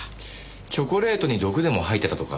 チョコレートに毒でも入ってたとか？